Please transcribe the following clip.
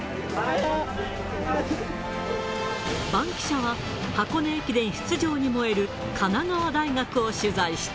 バンキシャは、箱根駅伝出場に燃える神奈川大学を取材した。